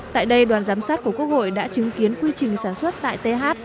tại đây đoàn giám sát của quốc hội đã chứng kiến quy trình sản xuất tại th